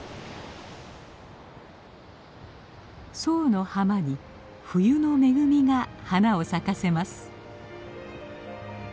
左右の浜に冬の恵みが花を咲かせます。